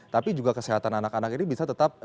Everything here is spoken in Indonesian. tapi juga kesehatan anak anak ini bisa tetap